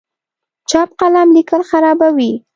چپ قلم لیکل خرابوي.